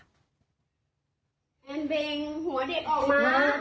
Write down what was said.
เด็กยังไงอ่ะ